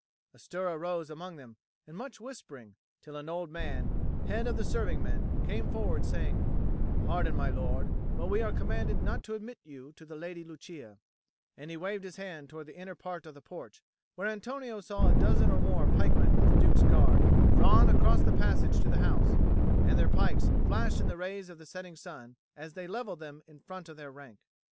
A stir arose among them and much whispering, till an old man, head of the servingmen, came forward, saying: "Pardon, my lord, but we are commanded not to admit you to the Lady Lucia;" and he waved his hand towards the inner part of the porch, where Antonio saw a dozen or more pikemen of the Duke's Guard drawn across the passage to the house; and their pikes flashed in the rays of the setting sun as they levelled them in front of their rank.